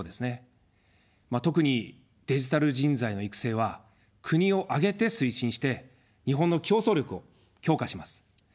特にデジタル人材の育成は国を挙げて推進して、日本の競争力を強化します。